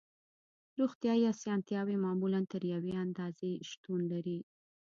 روغتیایی اسانتیاوې معمولاً تر یوې اندازې شتون لري